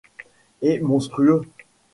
Et monstrueux.